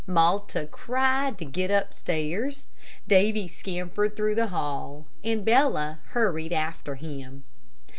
Malta cried to get upstairs, Davy scampered through the hall, and Bella hurried after him.